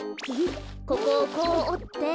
ここをこうおって。